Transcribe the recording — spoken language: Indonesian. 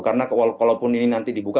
karena kalaupun ini nanti dibuka